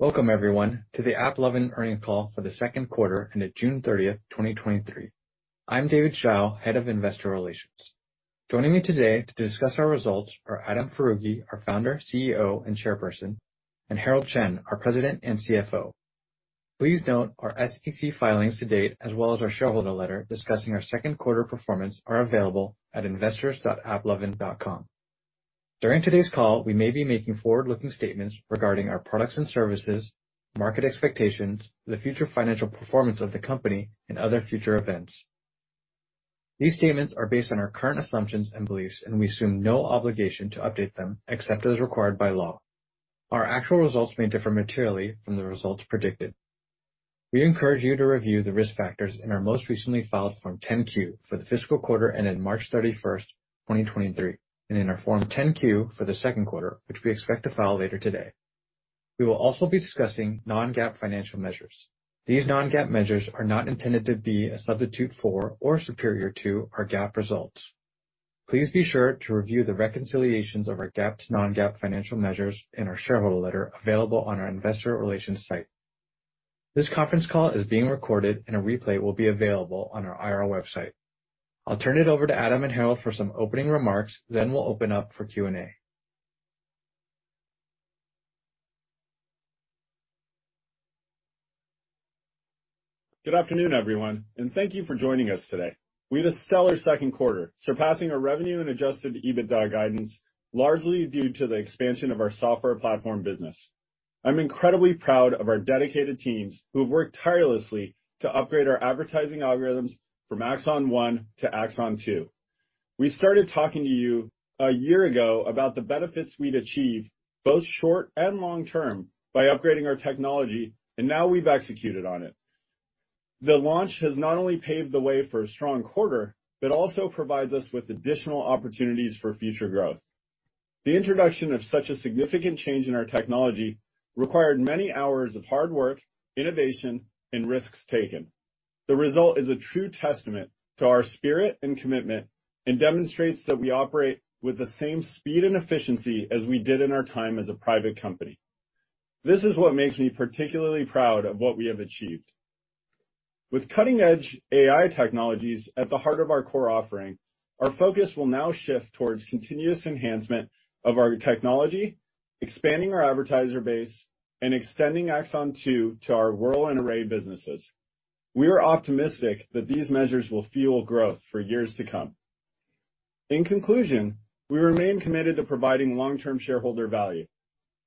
Welcome everyone to the AppLovin earnings call for the second quarter ended June 30th, 2023. I'm David Hsiao, Head of Investor Relations. Joining me today to discuss our results are Adam Foroughi, our Founder, CEO, and Chairperson, and Herald Chen, our President and CFO. Please note our SEC filings to date, as well as our shareholder letter discussing our second quarter performance, are available at investors.applovin.com. During today's call, we may be making forward-looking statements regarding our products and services, market expectations, the future financial performance of the company, and other future events. These statements are based on our current assumptions and beliefs, and we assume no obligation to update them except as required by law. Our actual results may differ materially from the results predicted. We encourage you to review the risk factors in our most recently filed Form 10-Q for the fiscal quarter ended March 31st, 2023, and in our Form 10-Q for the second quarter, which we expect to file later today. We will also be discussing non-GAAP financial measures. These non-GAAP measures are not intended to be a substitute for or superior to our GAAP results. Please be sure to review the reconciliations of our GAAP to non-GAAP financial measures in our shareholder letter, available on our investor relations site. This conference call is being recorded, and a replay will be available on our IR website. I'll turn it over to Adam and Herald for some opening remarks, then we'll open up for Q&A. Good afternoon, everyone, thank you for joining us today. We had a stellar second quarter, surpassing our revenue and adjusted EBITDA guidance, largely due to the expansion of our software platform business. I'm incredibly proud of our dedicated teams, who have worked tirelessly to upgrade our advertising algorithms from AXON 1.0 to AXON 2.0. We started talking to you a year ago about the benefits we'd achieve, both short and long term, by upgrading our technology, now we've executed on it. The launch has not only paved the way for a strong quarter, also provides us with additional opportunities for future growth. The introduction of such a significant change in our technology required many hours of hard work, innovation, and risks taken. The result is a true testament to our spirit and commitment, and demonstrates that we operate with the same speed and efficiency as we did in our time as a private company. This is what makes me particularly proud of what we have achieved. With cutting-edge AI technologies at the heart of our core offering, our focus will now shift towards continuous enhancement of our technology, expanding our advertiser base, and extending AXON 2.0 to our Wurl and Array businesses. We are optimistic that these measures will fuel growth for years to come. In conclusion, we remain committed to providing long-term shareholder value.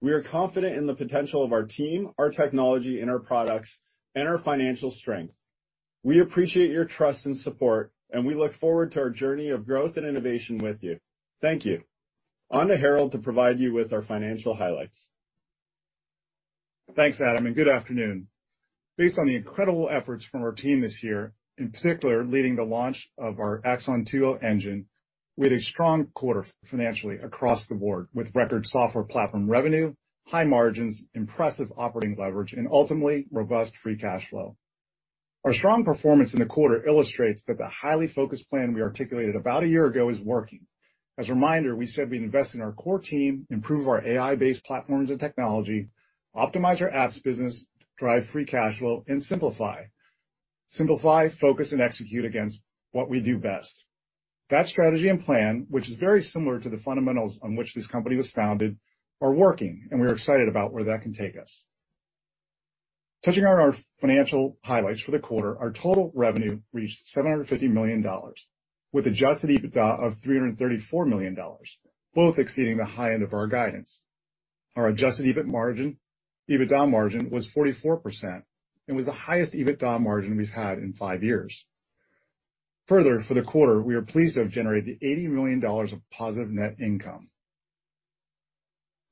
We are confident in the potential of our team, our technology, and our products, and our financial strength. We appreciate your trust and support, and we look forward to our journey of growth and innovation with you. Thank you. On to Herald to provide you with our financial highlights. Thanks, Adam. Good afternoon. Based on the incredible efforts from our team this year, in particular, leading the launch of our AXON 2.0 engine, we had a strong quarter financially across the board, with record software platform revenue, high margins, impressive operating leverage and ultimately, robust free cash flow. Our strong performance in the quarter illustrates that the highly focused plan we articulated about a year ago is working. As a reminder, we said we'd invest in our core team, improve our AI-based platforms and technology, optimize our apps business, drive free cash flow and simplify. Simplify, focus and execute against what we do best. That strategy and plan, which is very similar to the fundamentals on which this company was founded, are working. We are excited about where that can take us. Touching on our financial highlights for the quarter, our total revenue reached $750 million, with adjusted EBITDA of $334 million, both exceeding the high end of our guidance. Our adjusted EBIT margin- EBITDA margin was 44% and was the highest EBITDA margin we've had in five years. Further, for the quarter, we are pleased to have generated $80 million of positive net income.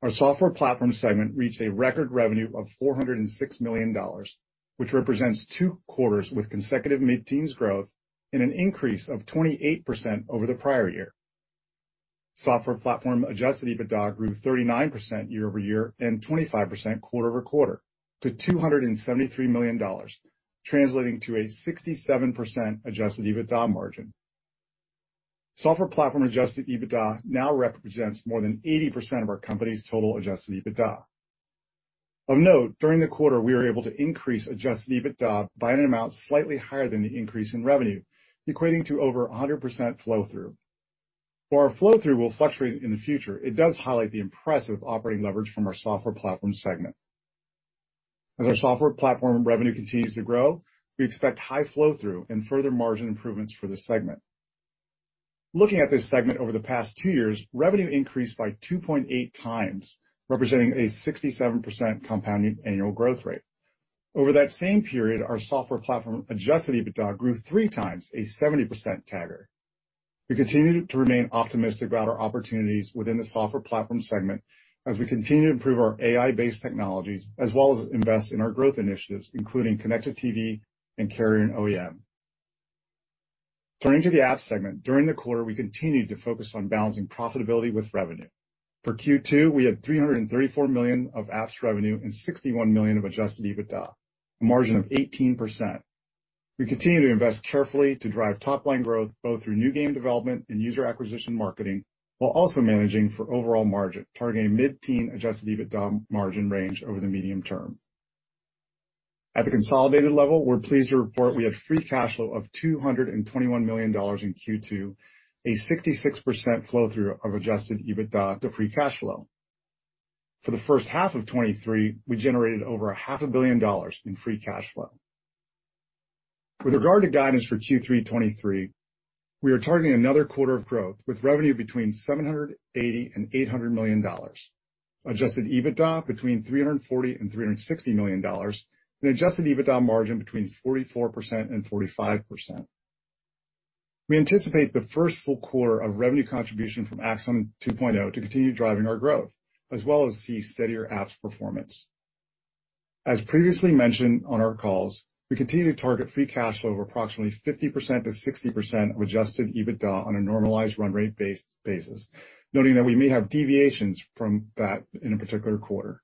Our Software Platform segment reached a record revenue of $406 million, which represents two quarters with consecutive mid-teens growth and an increase of 28% over the prior year. Software Platform adjusted EBITDA grew 39% year-over-year and 25% quarter-over-quarter to $273 million, translating to a 67% adjusted EBITDA margin. Software platform adjusted EBITDA now represents more than 80% of our company's total adjusted EBITDA. Of note, during the quarter, we were able to increase adjusted EBITDA by an amount slightly higher than the increase in revenue, equating to over a 100% flow-through. While our flow-through will fluctuate in the future, it does highlight the impressive operating leverage from our software platform segment. As our software platform revenue continues to grow, we expect high flow-through and further margin improvements for this segment. Looking at this segment over the past two years, revenue increased by 2.8x, representing a 67% compound annual growth rate. Over that same period, our software platform adjusted EBITDA grew 3x, a 70% tagger. We continue to remain optimistic about our opportunities within the software platform segment as we continue to improve our AI-based technologies, as well as invest in our growth initiatives, including connected TV and carrier and OEM. Turning to the apps segment. During the quarter, we continued to focus on balancing profitability with revenue. For Q2, we had $334 million of apps revenue and $61 million of adjusted EBITDA, a margin of 18%. We continue to invest carefully to drive top line growth, both through new game development and user acquisition marketing, while also managing for overall margin, targeting mid-teen adjusted EBITDA margin range over the medium term. At the consolidated level, we're pleased to report we had free cash flow of $221 million in Q2, a 66% flow through of adjusted EBITDA to free cash flow. For the first half of 2023, we generated over $500 million in free cash flow. With regard to guidance for Q3 2023, we are targeting another quarter of growth, with revenue between $780 million and $800 million. Adjusted EBITDA between $340 million and $360 million, and adjusted EBITDA margin between 44% and 45%. We anticipate the first full quarter of revenue contribution from AXON 2.0 to continue driving our growth, as well as see steadier apps performance. As previously mentioned on our calls, we continue to target free cash flow of approximately 50% to 60% of adjusted EBITDA on a normalized run rate basis, noting that we may have deviations from that in a particular quarter.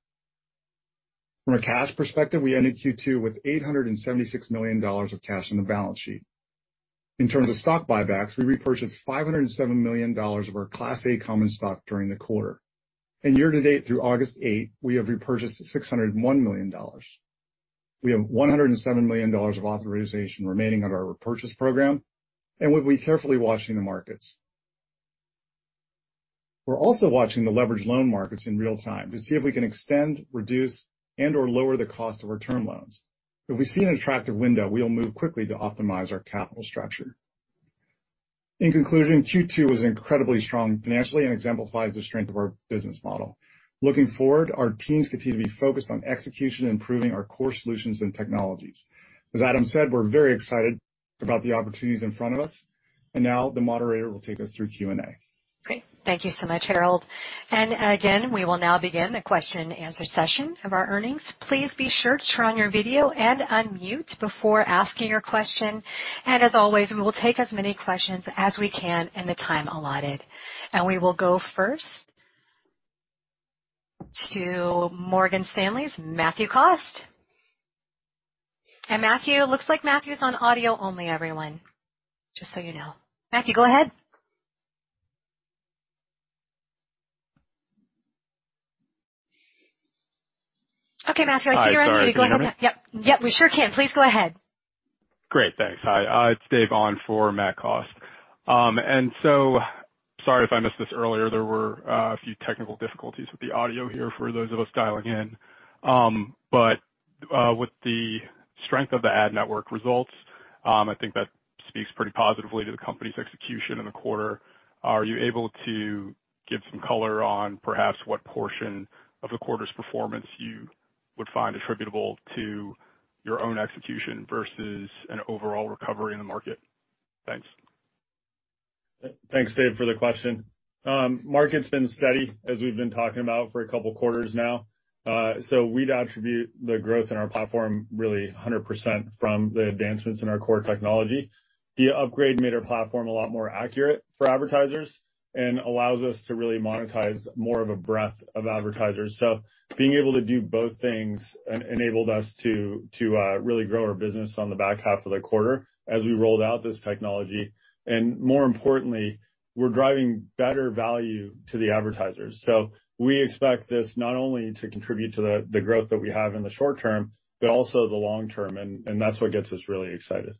From a cash perspective, we ended Q2 with $876 million of cash on the balance sheet. In terms of stock buybacks, we repurchased $507 million of our Class A common stock during the quarter. Year to date, through August 8th, we have repurchased $601 million. We have $107 million of authorization remaining on our repurchase program, and we'll be carefully watching the markets. We're also watching the leveraged loan markets in real time to see if we can extend, reduce, and/or lower the cost of our term loans. If we see an attractive window, we will move quickly to optimize our capital structure. In conclusion, Q2 was incredibly strong financially and exemplifies the strength of our business model. Looking forward, our teams continue to be focused on execution and improving our core solutions and technologies. As Adam said, we're very excited about the opportunities in front of us, and now the moderator will take us through Q&A. Great. Thank you so much, Herald. Again, we will now begin the question and answer session of our earnings. Please be sure to turn on your video and unmute before asking your question. As always, we will take as many questions as we can in the time allotted. We will go first to Morgan Stanley's Matthew Cost. Matthew... Looks like Matthew's on audio only, everyone, just so you know. Matthew, go ahead. Okay, Matthew, I see your arm. Hi, sorry. Can you hear me? Yep. Yep, we sure can. Please go ahead. Great, thanks. Hi, it's Dave on for Matt Cost. Sorry if I missed this earlier, there were a few technical difficulties with the audio here for those of us dialing in. But with the strength of the ad network results, I think that speaks pretty positively to the company's execution in the quarter. Are you able to give some color on perhaps what portion of the quarter's performance you would find attributable to your own execution versus an overall recovery in the market? Thanks. Thanks, Dave, for the question. Market's been steady, as we've been talking about for a couple of quarters now. We'd attribute the growth in our platform really 100% from the advancements in our core technology. The upgrade made our platform a lot more accurate for advertisers and allows us to really monetize more of a breadth of advertisers. Being able to do both things enabled us to really grow our business on the back half of the quarter as we rolled out this technology, and more importantly, we're driving better value to the advertisers. We expect this not only to contribute to the, the growth that we have in the short term, but also the long term, and, and that's what gets us really excited.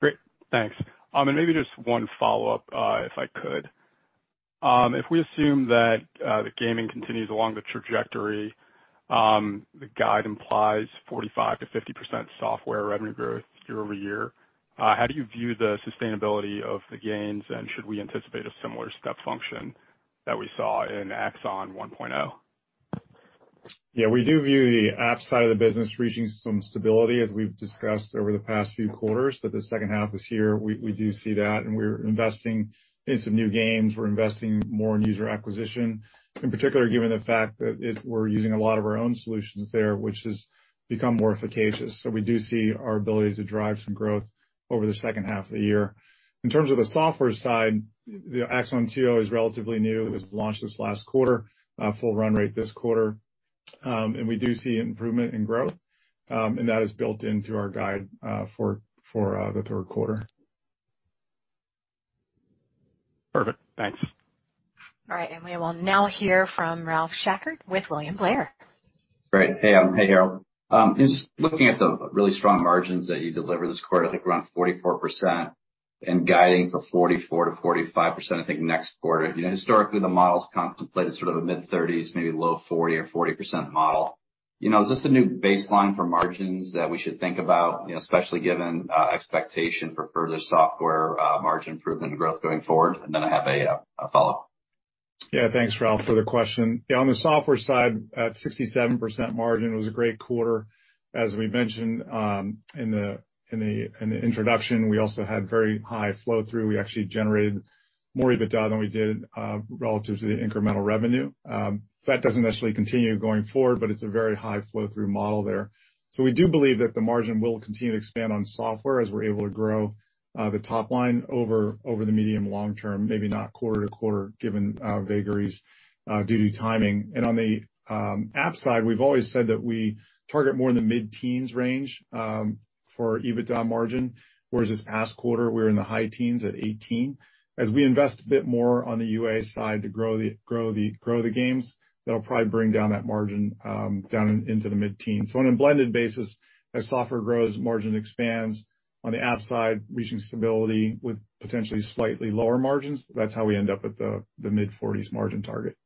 Great, thanks. Maybe just one follow-up, if I could. If we assume that the gaming continues along the trajectory, the guide implies 45%-50% software revenue growth year-over-year. How do you view the sustainability of the gains, and should we anticipate a similar step function that we saw in AXON 1.0? Yeah, we do view the app side of the business reaching some stability, as we've discussed over the past few quarters, that the second half this year, we do see that, we're investing in some new games. We're investing more in user acquisition, in particular, given the fact that we're using a lot of our own solutions there, which has become more efficacious. We do see our ability to drive some growth over the second half of the year. In terms of the software side, the AXON 2.0 is relatively new. It was launched this last quarter, full run rate this quarter. We do see improvement in growth, and that is built into our guide for the third quarter. Perfect. Thanks. All right. We will now hear from Ralph Schackart with William Blair. Great. Hey, Adam. Hey, Herald. Just looking at the really strong margins that you delivered this quarter, I think around 44%, and guiding for 44%-45%, I think, next quarter. You know, historically, the models contemplated sort of a mid-30s, maybe low 40% or 40% model. You know, is this a new baseline for margins that we should think about? You know, especially given expectation for further software margin improvement and growth going forward. Then I have a follow-up. Yeah. Thanks, Ralph, for the question. Yeah, on the software side, at 67% margin, it was a great quarter. As we mentioned, in the, in the, in the introduction, we also had very high flow through. We actually generated more EBITDA than we did, relative to the incremental revenue. That doesn't necessarily continue going forward, but it's a very high flow through model there. We do believe that the margin will continue to expand on software as we're able to grow the top line over, over the medium long term, maybe not quarter to quarter, given vagaries due to timing. On the app side, we've always said that we target more in the mid-teens range for EBITDA margin, whereas this past quarter, we were in the high teens at 18. As we invest a bit more on the UA side to grow the, grow the, grow the games, that'll probably bring down that margin, down in, into the mid-teens. On a blended basis, as software grows, margin expands. On the app side, reaching stability with potentially slightly lower margins. That's how we end up with the, the mid-40s margin target.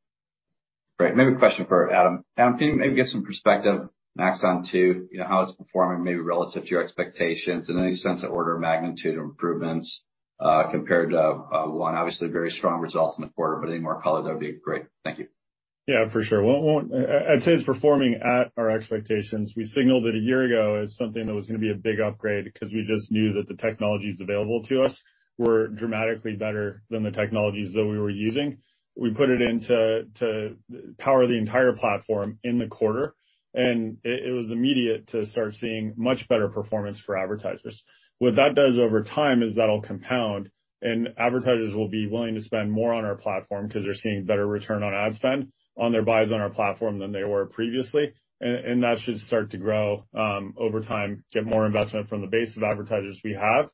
Great. Maybe a question for Adam. Adam, can you maybe get some perspective on AXON 2, you know, how it's performing, maybe relative to your expectations, and any sense of order of magnitude improvements, compared to 1? Obviously, very strong results in the quarter, but any more color, that would be great. Thank you. Yeah, for sure. Well, one, I'd say it's performing at our expectations. We signaled it a year ago as something that was gonna be a big upgrade, because we just knew that the technologies available to us were dramatically better than the technologies that we were using. We put it in to, to power the entire platform in the quarter, and it, it was immediate to start seeing much better performance for advertisers. What that does over time is that'll compound, and advertisers will be willing to spend more on our platform because they're seeing better return on ad spend on their buys on our platform than they were previously. That should start to grow, over time, get more investment from the base of advertisers we have.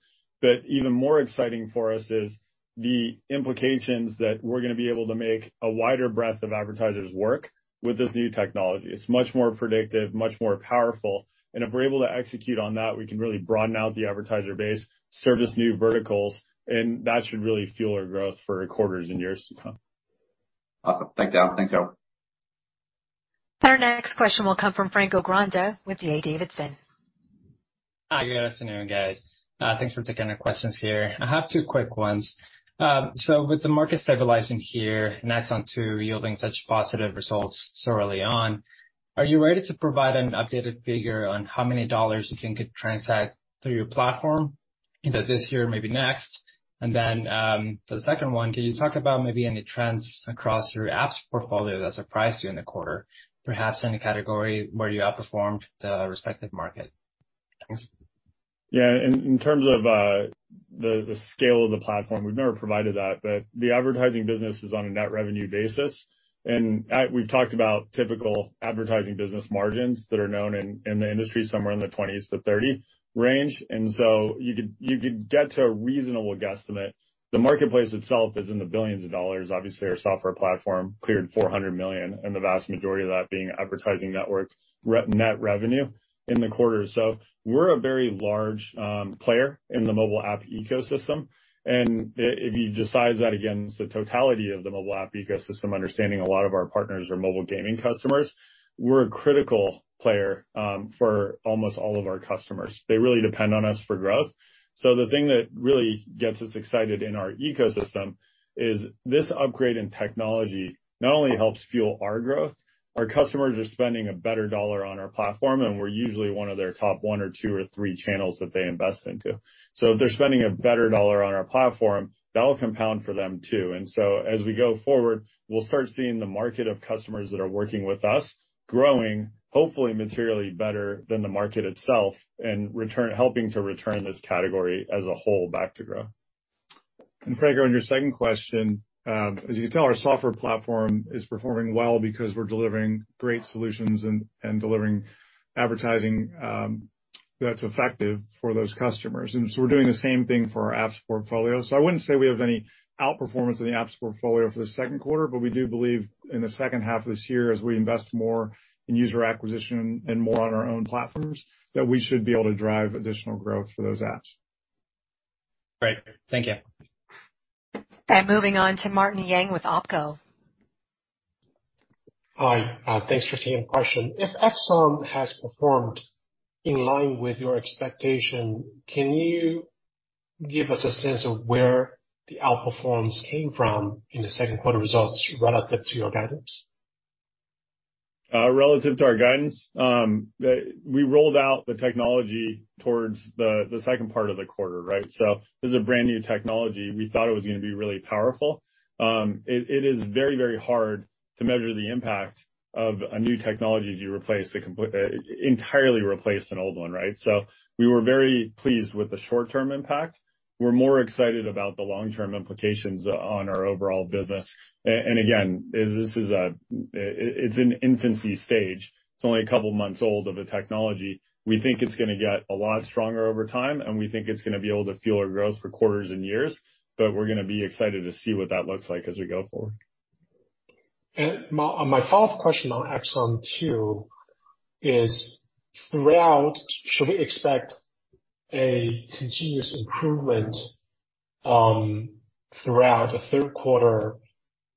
Even more exciting for us is the implications that we're gonna be able to make a wider breadth of advertisers work with this new technology. It's much more predictive, much more powerful, and if we're able to execute on that, we can really broaden out the advertiser base, service new verticals, and that should really fuel our growth for quarters and years to come. Awesome. Thanks, Adam. Thanks, y'all. Our next question will come from Franco Granda with D.A. Davidson. Hi, good afternoon, guys. Thanks for taking the questions here. I have two quick ones. So with the market stabilizing here, and AXON Two yielding such positive results so early on, are you ready to provide an updated figure on how many dollars you think could transact through your platform into this year, maybe next? The second one, can you talk about maybe any trends across your apps portfolio that surprised you in the quarter, perhaps any category where you outperformed the respective market? Thanks. Yeah. In, in terms of the scale of the platform, we've never provided that, but the advertising business is on a net revenue basis. We've talked about typical advertising business margins that are known in the industry, somewhere in the 20%-30% range. You could, you could get to a reasonable guesstimate. The marketplace itself is in the billions of dollars. Obviously, our software platform cleared $400 million, and the vast majority of that being advertising networks net revenue in the quarter. We're a very large player in the mobile app ecosystem, and if you just size that against the totality of the mobile app ecosystem, understanding a lot of our partners are mobile gaming customers, we're a critical player for almost all of our customers. They really depend on us for growth. The thing that really gets us excited in our ecosystem is this upgrade in technology not only helps fuel our growth, our customers are spending a better dollar on our platform, and we're usually one of their top one or two or three channels that they invest into. If they're spending a better dollar on our platform, that will compound for them, too. As we go forward, we'll start seeing the market of customers that are working with us, growing, hopefully materially better than the market itself, and helping to return this category as a whole, back to growth. Franco, on your second question, as you can tell, our software platform is performing well because we're delivering great solutions and delivering advertising, that's effective for those customers. We're doing the same thing for our apps portfolio. I wouldn't say we have any outperformance in the apps portfolio for the second quarter, but we do believe in the second half of this year, as we invest more in user acquisition and more on our own platforms, that we should be able to drive additional growth for those apps. Great. Thank you. Moving on to Martin Yang with Oppenheimer. Hi, thanks for taking the question. If AXON has performed in line with your expectation, can you give us a sense of where the outperformance came from in the second quarter results relative to your guidance? Relative to our guidance, we rolled out the technology towards the second part of the quarter, right? So this is a brand-new technology. We thought it was gonna be really powerful. It is very, very hard to measure the impact of a new technology as you replace a complete, entirely replace an old one, right? So we were very pleased with the short-term impact. We're more excited about the long-term implications on our overall business. And again, this is an infancy stage. It's only a couple months old of a technology. We think it's gonna get a lot stronger over time, and we think it's gonna be able to fuel our growth for quarters and years, but we're gonna be excited to see what that looks like as we go forward. My, my follow-up question on AXON Two is: throughout, should we expect a continuous improvement throughout the third quarter?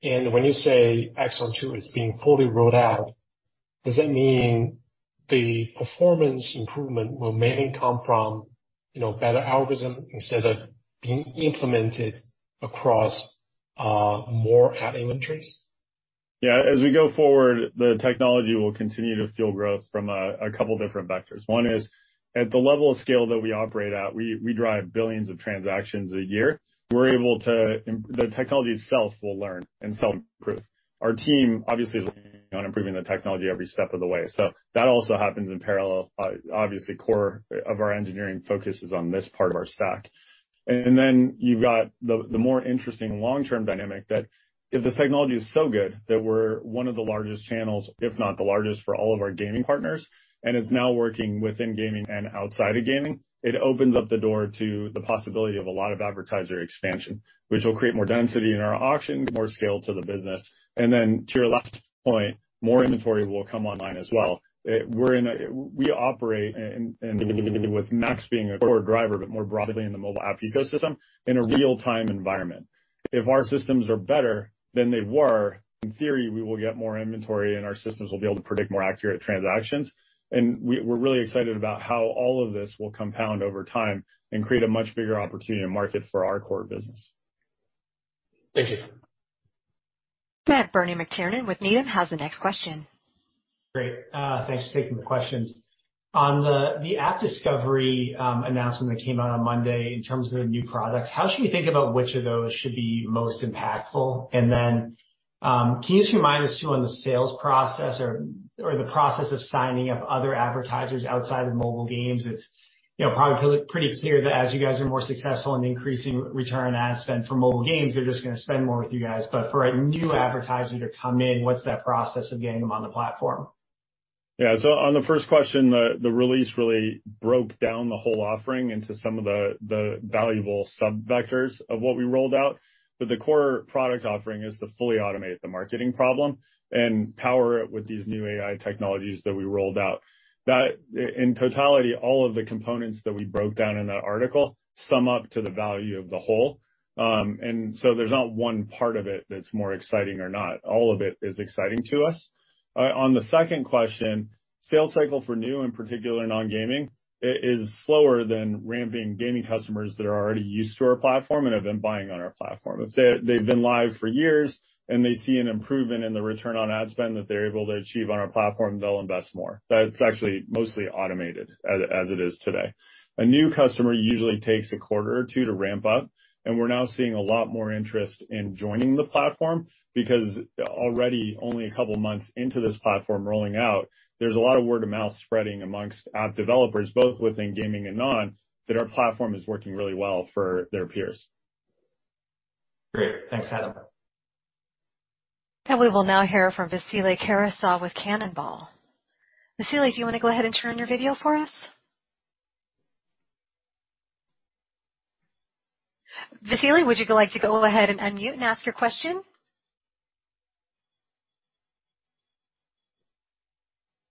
When you say AXON Two is being fully rolled out, does that mean the performance improvement will mainly come from, you know, better algorithm instead of being implemented across more ad inventories? Yeah, as we go forward, the technology will continue to fuel growth from a couple different vectors. One is, at the level of scale that we operate at, we drive billions of transactions a year. We're able to the technology itself will learn and self-improve. Our team obviously is working on improving the technology every step of the way. That also happens in parallel. Obviously, core of our engineering focus is on this part of our stack. Then you've got the, the more interesting long-term dynamic that if this technology is so good that we're one of the largest channels, if not the largest, for all of our gaming partners, and is now working within gaming and outside of gaming, it opens up the door to the possibility of a lot of advertiser expansion, which will create more density in our auction, more scale to the business. Then to your last point, more inventory will come online as well. We operate in with MAX being a core driver, but more broadly in the mobile app ecosystem, in a real-time environment. If our systems are better than they were, in theory, we will get more inventory, and our systems will be able to predict more accurate transactions. We're really excited about how all of this will compound over time and create a much bigger opportunity and market for our core business. Thank you. Next, Bernie McTernan with Needham has the next question. Great. Thanks for taking the questions. On the, the AppDiscovery announcement that came out on Monday, in terms of new products, how should we think about which of those should be most impactful? Then, can you just remind us, too, on the sales process or, or the process of signing up other advertisers outside of mobile games? It's, you know, probably pretty clear that as you guys are more successful in increasing return on ad spend for mobile games, they're just going to spend more with you guys. For a new advertiser to come in, what's that process of getting them on the platform? Yeah. On the first question, the, the release really broke down the whole offering into some of the, the valuable sub vectors of what we rolled out. The core product offering is to fully automate the marketing problem and power it with these new AI technologies that we rolled out. That, in totality, all of the components that we broke down in that article sum up to the value of the whole. There's not one part of it that's more exciting or not. All of it is exciting to us. On the second question, sales cycle for new, and particular non-gaming, it is slower than ramping gaming customers that are already used to our platform and have been buying on our platform. If they've been live for years and they see an improvement in the return on ad spend that they're able to achieve on our platform, they'll invest more. That's actually mostly automated as it is today. A new customer usually takes a quarter or two to ramp up, we're now seeing a lot more interest in joining the platform, because already only a couple months into this platform rolling out, there's a lot of word of mouth spreading amongst app developers, both within gaming and non, that our platform is working really well for their peers. Great. Thanks, Adam. We will now hear from Karasyov with Cannonball. Vasilily, do you want to go ahead and turn on your video for us? Vasilily, would you like to go ahead and unmute and ask your question?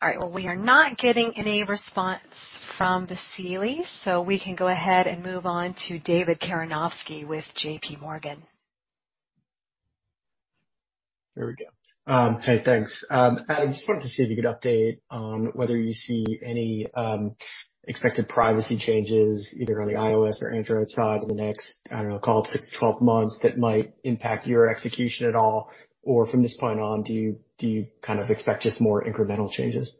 All right, well, we are not getting any response from Vasilily. We can go ahead and move on to David Karnovsky with J.P. Morgan. Here we go. Hey, thanks. Adam, just wanted to see if you could update on whether you see any expected privacy changes, either on the iOS or Android side in the next, I don't know, call it six to 12 months, that might impact your execution at all? Or from this point on, do you kind of expect just more incremental changes?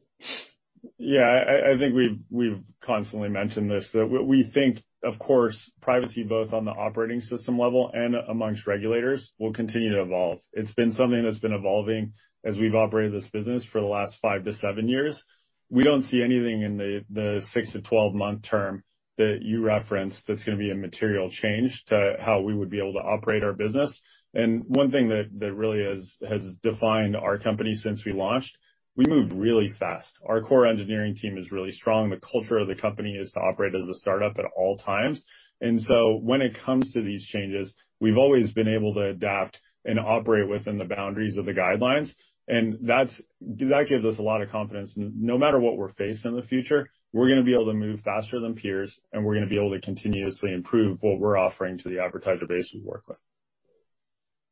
Yeah, I, I think we've, we've constantly mentioned this, that what we think, of course, privacy, both on the operating system level and amongst regulators, will continue to evolve. It's been something that's been evolving as we've operated this business for the last 5-7 years. We don't see anything in the, the 6-12-month term that you referenced that's going to be a material change to how we would be able to operate our business. One thing that, that really has, has defined our company since we launched, we moved really fast. Our core engineering team is really strong. The culture of the company is to operate as a start-up at all times. When it comes to these changes, we've always been able to adapt and operate within the boundaries of the guidelines, and that's that gives us a lot of confidence. No matter what we're faced in the future, we're going to be able to move faster than peers, and we're going to be able to continuously improve what we're offering to the advertiser base we work with.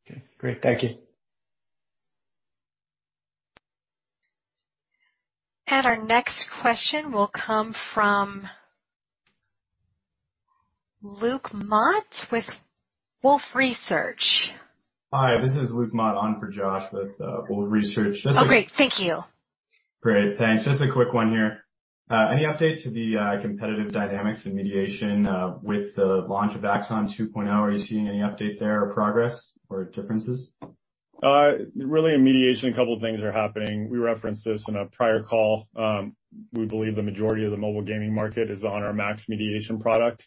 Okay, great. Thank you. Our next question will come from Luke Mott with Wolfe Research. Hi, this is Luke Mott on for Josh with Wolfe Research. Oh, great. Thank you. Great, thanks. Just a quick one here. Any update to the competitive dynamics in mediation with the launch of AXON 2.0 point O? Are you seeing any update there or progress or differences? Really in mediation, a couple of things are happening. We referenced this in a prior call. We believe the majority of the mobile gaming market is on our MAX mediation product.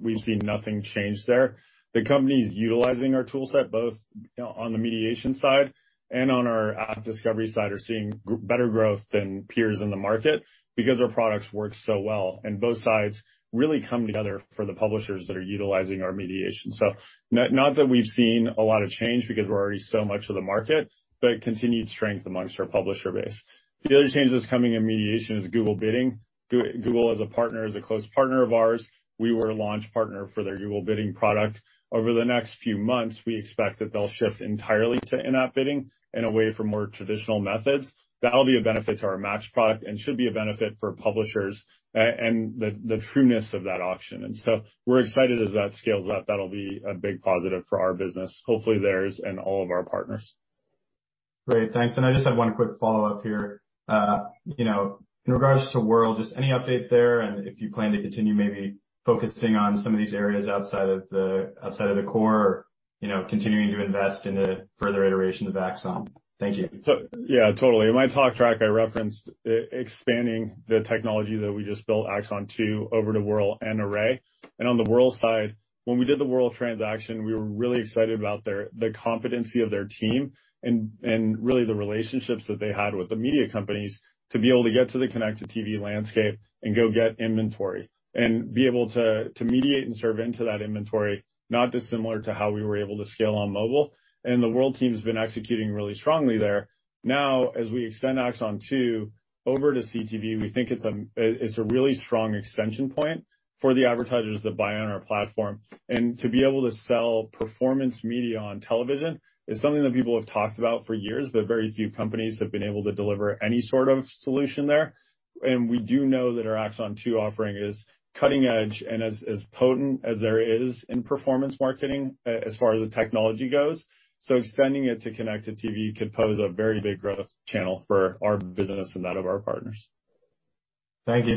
We've seen nothing change there. The company is utilizing our toolset, both on the mediation side and on our AppDiscovery side, are seeing better growth than peers in the market because our products work so well, and both sides really come together for the publishers that are utilizing our mediation. So not, not that we've seen a lot of change because we're already so much of the market, but continued strength amongst our publisher base. The other changes coming in mediation is Google Bidding. Google as a partner, is a close partner of ours. We were a launch partner for their Google Bidding product. Over the next few months, we expect that they'll shift entirely to in-app bidding and away from more traditional methods. That'll be a benefit to our MAX product and should be a benefit for publishers and the trueness of that auction. So we're excited as that scales up. That'll be a big positive for our business. Hopefully, theirs and all of our partners. Great, thanks. I just have one quick follow-up here. You know, in regards to Wurl, just any update there, and if you plan to continue maybe focusing on some of these areas outside of the, outside of the core, you know, continuing to invest in a further iteration of Axon? Thank you. Yeah, totally. In my talk track, I referenced e-expanding the technology that we just built AXON 2.0 over to Wurl and Array. On the Wurl side, when we did the Wurl transaction, we were really excited about their, the competency of their team and, and really the relationships that they had with the media companies to be able to get to the connected TV landscape and go get inventory, and be able to, to mediate and serve into that inventory, not dissimilar to how we were able to scale on mobile. The Wurl team's been executing really strongly there. As we extend AXON 2.0 over to CTV, we think it's a, it, it's a really strong extension point for the advertisers that buy on our platform. To be able to sell performance media on television is something that people have talked about for years, but very few companies have been able to deliver any sort of solution there. We do know that our AXON 2.0 offering is cutting edge and as, as potent as there is in performance marketing, as far as the technology goes. Extending it to connected TV could pose a very big growth channel for our business and that of our partners. Thank you.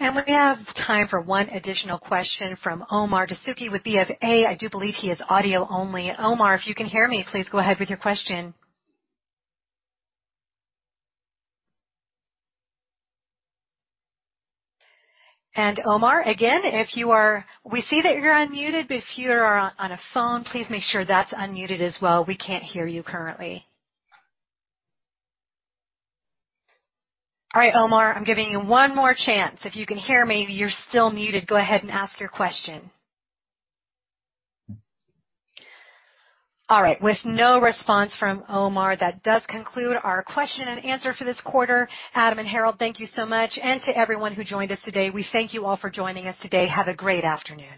We have time for one additional question from Omar Dessouky, with BofA. I do believe he is audio only. Omar, if you can hear me, please go ahead with your question. Omar, again, if you are we see that you're unmuted, but if you are on, on a phone, please make sure that's unmuted as well. We can't hear you currently. All right, Omar, I'm giving you one more chance. If you can hear me, you're still muted. Go ahead and ask your question. All right. With no response from Omar, that does conclude our question and answer for this quarter. Adam and Herald, thank you so much. To everyone who joined us today, we thank you all for joining us today. Have a great afternoon.